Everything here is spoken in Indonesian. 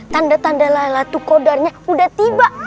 tanda tanda laylatul kodarnya udah tiba